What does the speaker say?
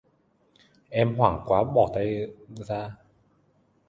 Em hoảng quá bỏ tay ra